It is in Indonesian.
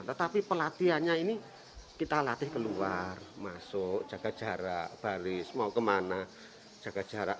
tetapi pelatihannya ini kita latih keluar masuk jaga jarak baris mau kemana jaga jarak